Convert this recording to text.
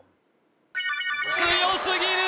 強すぎる！